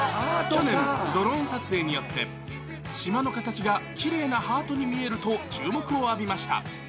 去年、ドローン撮影によって、島の形がきれいなハートに見えると注目を浴びました。